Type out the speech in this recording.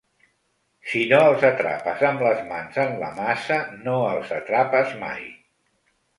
Si no els atrapes amb les mans en la massa no els atrapes mai.